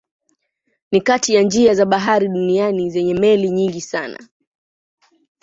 Ni kati ya njia za bahari duniani zenye meli nyingi sana.